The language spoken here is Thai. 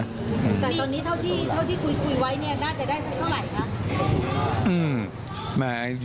แต่ตอนนี้เท่าที่คุยไว้เนี่ยน่าจะได้สักเท่าไหร่คะ